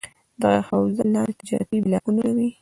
دغه حوزه لاندې تجارتي بلاکونه لري: